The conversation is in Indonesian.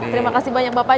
terima kasih banyak bapak